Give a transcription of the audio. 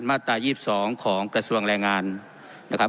มาตรา๒๒ของกระทรวงแรงงานนะครับ